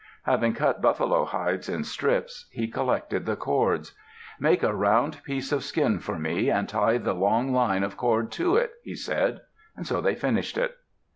Having cut buffalo hides in strips, he collected the cords. "Make a round piece of skin for me, and tie the long line of cord to it," he said. So they finished it.